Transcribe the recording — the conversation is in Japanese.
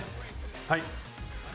はい。